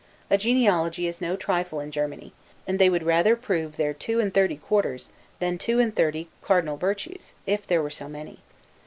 A genealogy is no trifle in Germany; and they would rather prove their two and thirty quarters, than two and thirty cardinal virtues, if there were so many.